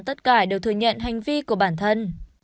tất cả đều thừa nhận hành vi của bản thân